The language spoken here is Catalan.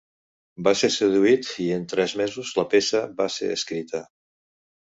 Va ser seduït, i en tres mesos, la peça va ser escrita.